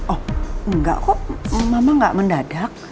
oh enggak kok mama gak mendadak